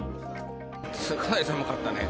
すごく寒かったね。